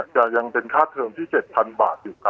จะยังเป็นค่าเทอมที่๗๐๐๐บาท